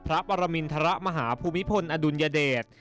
พระปรมินทรมาหาภูมิพลอดุลยเดช